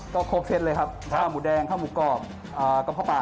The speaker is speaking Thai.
ก็ครบเส้นเดียวเพลิดภาพเลยครับข้าวหมูแดงข้าวหมูกรอบกระพรผ้า